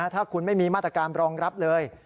ถ้าคุณไม่มีมาตรการรองรับเลย